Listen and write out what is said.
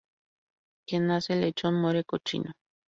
Quien nace lechón, muere cochino